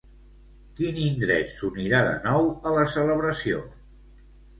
Quin indret s'unirà de nou a la celebració?